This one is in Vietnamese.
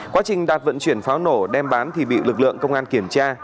quá trình đạt vận chuyển pháo nổ đem bán thì bị lực lượng công an kiểm tra